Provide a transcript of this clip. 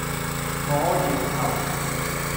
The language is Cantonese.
我搖頭